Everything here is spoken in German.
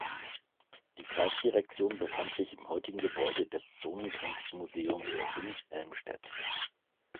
Die Kreis-Direktion befand sich im heutigen Gebäude des Zonengrenz-Museums in Helmstedt.